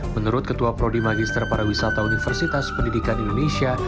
menurut ketua prodi magister para wisata universitas pendidikan indonesia